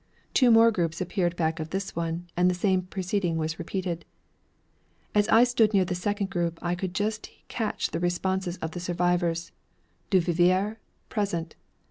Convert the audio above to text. Two more groups appeared back of this one, and the same proceeding was repeated. As I stood near the second group I could just catch the responses of the survivors. 'Duvivier': 'Present.'